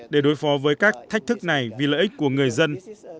để đối phó với các thách thức này vì lợi ích của người dân